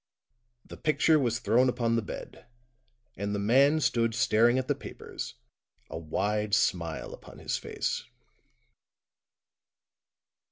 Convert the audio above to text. The picture was thrown upon the bed, and the man stood staring at the papers, a wide smile upon his face.